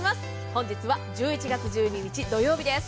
本日は１１月１２日土曜日です。